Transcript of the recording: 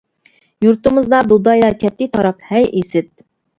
يۇرتىمىزدا بۇغدايلار كەتتى تاراپ، ھەي ئىسىت!